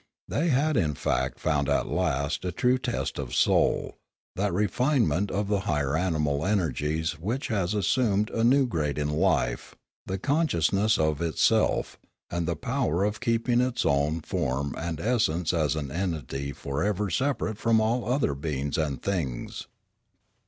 They had in fact found at last a true test of soul, that refinement of the higher animal energies which has assumed a new grade in life, the conscious ness of itself, and the power of keeping its own form and essence as an entity for ever separate from all other beings and things.